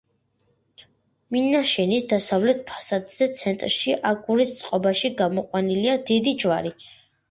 მინაშენის დასავლეთ ფასადზე, ცენტრში აგურის წყობაში გამოყვანილია დიდი ჯვარი.